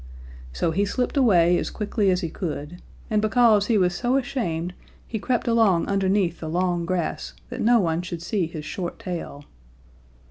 So he slipped away as quickly as he could, and because he was so ashamed he crept along underneath the long grass that no one should see his short tail.